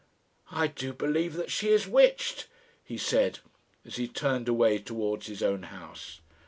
"I do believe that she is witched," he said, as he turned away towards his own house.